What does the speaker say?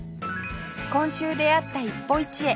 今週出会った一歩一会